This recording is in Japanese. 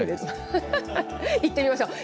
いってみましょう。